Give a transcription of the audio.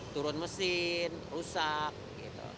turun mesin rusak gitu